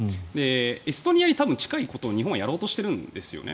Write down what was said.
エストニアに多分、近いことを日本はやろうとしてるんですよね。